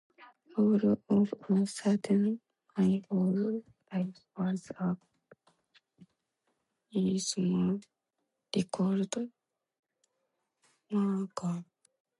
All of a sudden my whole life was up in smoke, recalled Mercer.